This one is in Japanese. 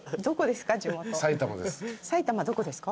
埼玉どこですか？